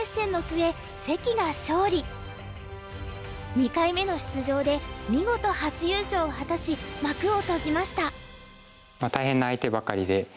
２回目の出場で見事初優勝を果たし幕を閉じました。